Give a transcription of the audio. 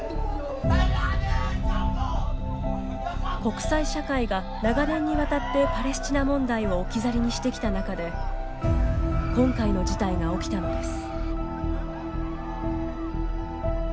国際社会が長年にわたってパレスチナ問題を置き去りにしてきた中で今回の事態が起きたのです。